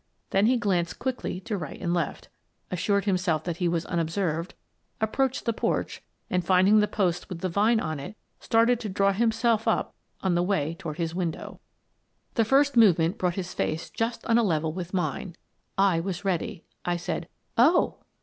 Then he glanced quickly to right and left; assured himself that he was unobserved; approached the porch, and, finding the post with the vine on it, started to draw himself up on the way toward his win dow. The first movement brought his face just on a level with mine. I was ready. I said: "Oh!"